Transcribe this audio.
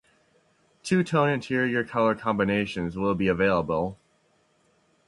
Two-tone interior color combinations will be available.